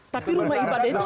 tapi rumah ibadah itu